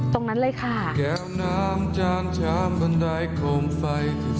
ตรงนั้นเลยค่ะ